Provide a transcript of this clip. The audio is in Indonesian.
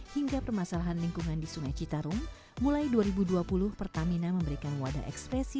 hingga permasalahan lingkungan di sungai citarum mulai dua ribu dua puluh pertamina memberikan wadah ekspresi